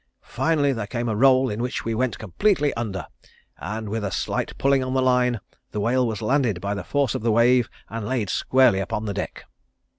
Finally there came a roll in which we went completely under, and with a slight pulling on the line the whale was landed by the force of the wave and laid squarely upon the deck."